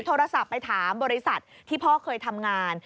โทรศัพท์ไปถามบริษัทที่พ่อเคยทำงาน